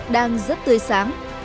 đang rất tươi sáng